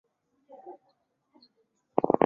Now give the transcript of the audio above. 设定一坐标系。